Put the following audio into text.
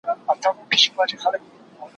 ترې به سترگه ايستل كېږي په سيخونو